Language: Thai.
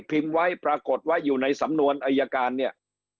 พิมพ์ไว้ปรากฏไว้อยู่ในสำนวนอายการเนี่ย